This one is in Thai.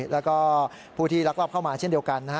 แล้วก็ผู้ที่ลักลอบเข้ามาเช่นเดียวกันนะฮะ